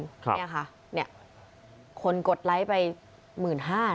เนี่ยค่ะคนกดไลค์ไป๑๕๐๐๐บาท